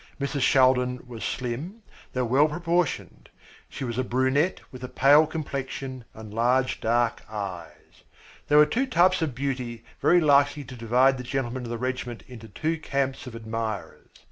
Mrs. Shaldin was slim, though well proportioned. She was a brunette with a pale complexion and large dark eyes. They were two types of beauty very likely to divide the gentlemen of the regiment into two camps of admirers.